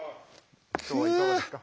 今日はいかがでした？